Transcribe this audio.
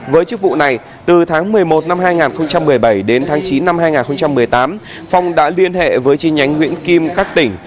với chức vụ này từ tháng một mươi một năm hai nghìn một mươi bảy đến tháng chín năm hai nghìn một mươi tám phong đã liên hệ với chi nhánh nguyễn kim các tỉnh